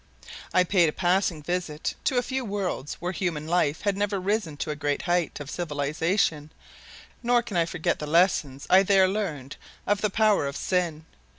I paid a passing visit to a few worlds where human life had never risen to a great height of civilization, nor can I forget the lessons I there learned of the power of sin.